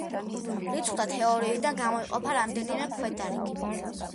რიცხვთა თეორიიდან გამოიყოფა რამდენიმე ქვედარგი.